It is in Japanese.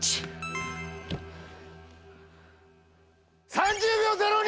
３０秒０２！